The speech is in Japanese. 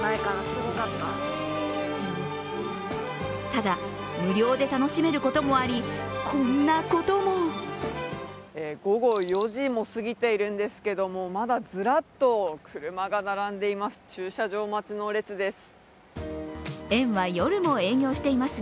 ただ無料で楽しめることもありこんなことも午後４時も過ぎているんですけれどもまだずらっと車が並んでいます。